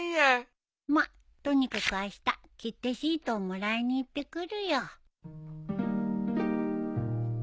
まっとにかくあした切手シートをもらいに行ってくるよ。